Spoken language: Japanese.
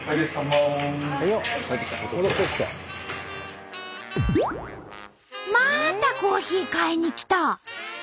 またコーヒー買いに来た！